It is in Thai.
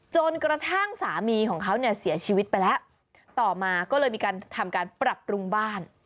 จนกระทั่งสามีของเขาเนี่ยเสียชีวิตไปแล้วต่อมาก็เลยมีการทำการปรับปรุงบ้าน